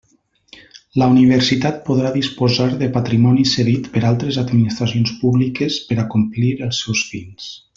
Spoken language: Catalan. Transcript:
La Universitat podrà disposar de patrimoni cedit per altres administracions públiques per a complir els seus fins.